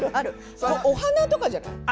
お花とかじゃない？